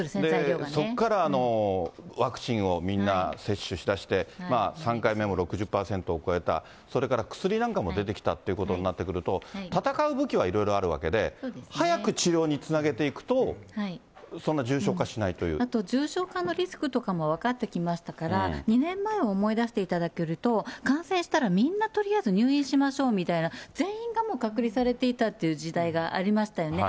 そこからワクチンをみんな、接種しだして、３回目も６０％を超えた、それから薬なんかも出てきたっていうことになってくると、闘う武器はいろいろあるわけで、早く治療につなげていくと、あと重症化のリスクとかも分かってきましたから、２年前を思い出していただけると、感染したらみんなとりあえず入院しましょうみたいな、全員がもう隔離されていたという時代がありましたよね。